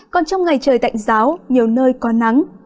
còn trong ngày trời tạnh giáo nhiều nơi có nắng